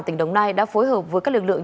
tỉnh đồng nai đã phối hợp với các lực lượng